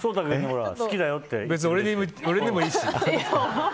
別に俺でもいいし。